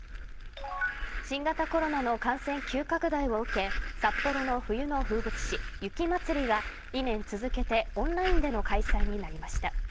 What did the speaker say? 新型コロナの感染急拡大を受け札幌の冬の風物詩雪まつりが２年続けてオンラインでの開催になりました。